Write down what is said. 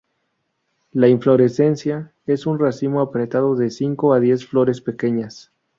La inflorescencia es un racimo apretado de cinco a diez flores pequeñas.